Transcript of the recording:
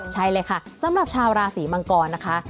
ใช่เลยค่ะสำหรับชาวราศีมังกรนะคะ